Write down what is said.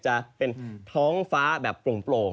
จะเป็นท้องฟ้าแบบโปร่ง